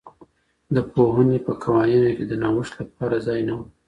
د پوهنې په قوانینو کي د نوښت لپاره ځای نه و.